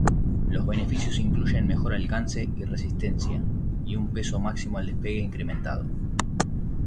Los beneficios incluyen mejor alcance y resistencia y un peso máximo al despegue incrementado.